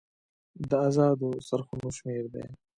د ازادو څرخونو شمیر دی.